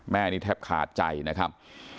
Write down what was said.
แม่นี่แทบขาดใจนะครับ